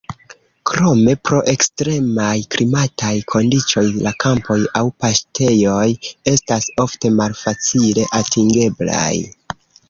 Krome pro ekstremaj klimataj kondiĉoj la kampoj aŭ paŝtejoj estas ofte malfacile atingeblaj.